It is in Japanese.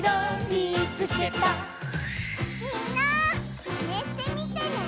みんなマネしてみてね！